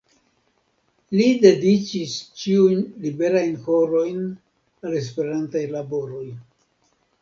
Li dediĉis ĉiujn liberajn horojn al Esperantaj laboroj.